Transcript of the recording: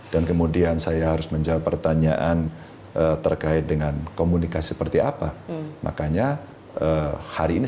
kemudian saya harus menjawab pertanyaan terkait dengan komunikasi seperti apa makanya hari ini